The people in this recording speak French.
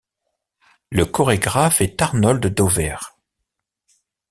Le chorégraphe est Arnold Dover.